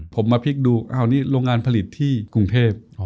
ผมมาพลิกดูอ้าวนี่โรงงานผลิตที่กรุงเทพ